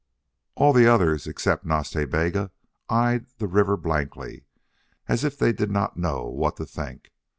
All the others, except Nas Ta Bega, eyed the river blankly, as if they did not know what to think.